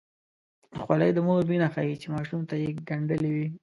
خولۍ د مور مینه ښيي چې ماشوم ته یې ګنډلې وي.